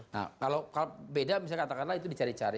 nah kalau beda misalnya katakanlah itu dicari cari